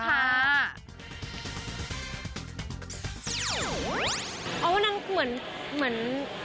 เพราะว่านางเหมือน